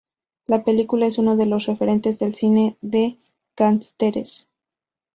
La película es uno de los referentes del cine de gánsteres.